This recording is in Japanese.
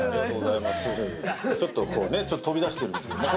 ちょっと飛び出してるんですね。